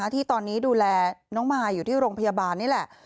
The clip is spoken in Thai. ที่ตอนนี้ดูแลน้องมายอยู่ที่โรงพยาบาลนี่แหละ